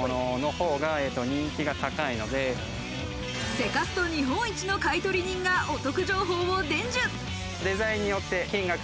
セカスト日本一の買取人がお得情報を伝授。